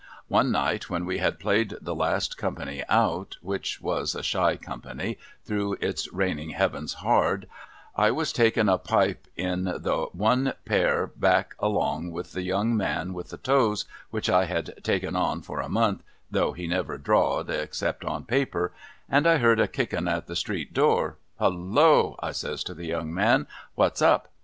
One night, when we had played the last company out, which was a shy company, through its raining Heavens hard, I was takin a pipe in the one pair back along with the young man with the toes, which I had taken on for a month (though he never drawed — except on paper), and I heard a kickin at the street door. ' Halloa !' I says to the young man, ' what's up